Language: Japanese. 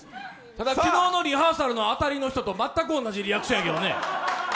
ただ昨日のリハーサルの当たりの人と全く同じだけどね。